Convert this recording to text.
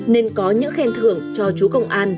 nên có những khen thưởng cho chú công an